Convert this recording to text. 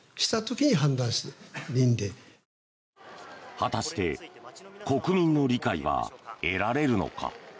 果たして国民の理解は得られるのか。